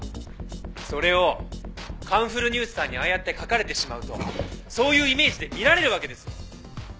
それを『カンフルＮＥＷＳ』さんにああやって書かれてしまうとそういうイメージで見られるわけですよ！